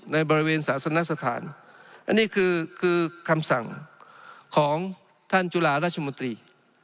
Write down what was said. ในบริเวณศาสนสถานอันนี้คือคือคำสั่งของท่านจุฬาราชมนตรี